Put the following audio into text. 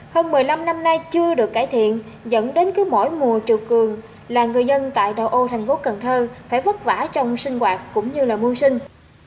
hơn một mươi năm năm nay chưa được cải thiện dẫn đến cứ mỗi mùa triều cường là người dân tại đầu ô thành phố cần thơ phải vất vả trong sinh hoạt cũng như là muôn sinh